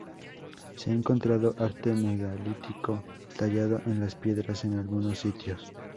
Se ha encontrado arte megalítico tallado en las piedras en algunos sitios.